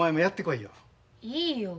いいよ。